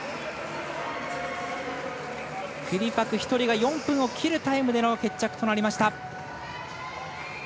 クリパク１人が４分を切るタイムでの決着となりました。